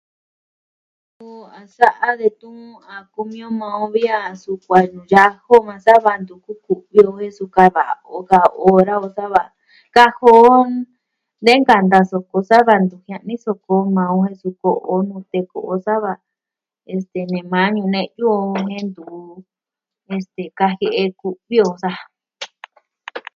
Suu a sa'a detun a kumi on maa on vi a suu, kuaa nuu ya jo maa nsava tun kuvi o jen suu kava o kaa ora o sava kaji o nee nkanta soko sava ntu jia'an ni soko maa o jen su soko nu teku sava , este, nee ma'ñu neyu o jen ntu este, kajie'e ku'vi o sa.